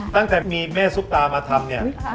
ตั้งแต่มีแม่ซุปตามาทำเนี่ย